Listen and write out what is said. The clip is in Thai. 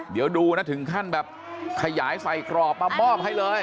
เดี๋ยวดูนะถึงขั้นแบบขยายใส่กรอบมามอบให้เลย